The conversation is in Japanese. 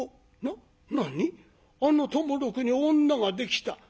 あの友六に女ができた。